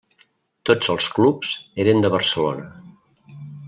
Tots els clubs eren de Barcelona.